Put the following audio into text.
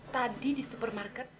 tadi di supermarket